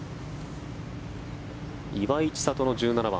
岩井千怜の１７番。